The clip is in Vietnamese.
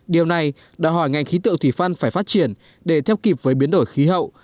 điều này đòi hỏi ngành khí tượng thủy văn phải phát triển để theo kịp với biến đổi khí hậu